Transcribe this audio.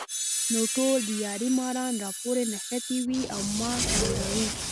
نو ټول دیاړي ماران راپورې نښتي وي ـ او ما تنګوي